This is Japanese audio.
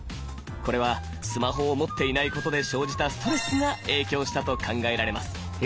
これはスマホを持っていないことで生じたストレスが影響したと考えられます。